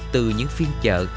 từ những phiên chợ